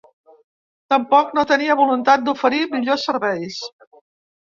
Tampoc no tenia voluntat d’oferir millors serveis.